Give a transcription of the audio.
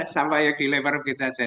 sampah yang dilebar begitu saja